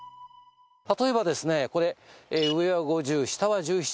例えばですねこれ。